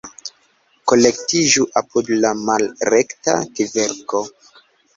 Kolektiĝu apud la malrekta kverko!